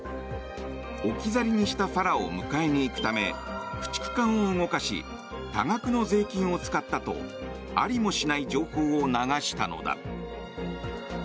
置き去りにしたファラを迎えに行くため駆逐艦を動かし多額の税金を使ったとありもしない情報を流したのだ。